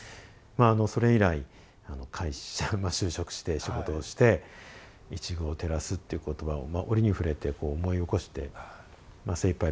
それ以来会社就職して仕事をして「一隅を照らす」っていう言葉を折に触れて思い起こして精いっぱい